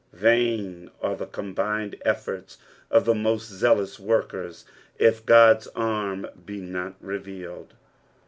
Vain are the combined efforts of the most zealous workers if God's arm be not revealed.